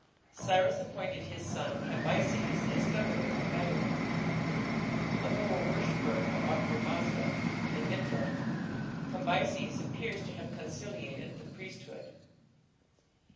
Cyrus appointed his son Cambyses as governor of Babylon. Although a worshipper of Ahura Mazda and Mithra, Cambyses appears to have conciliated the priesthood.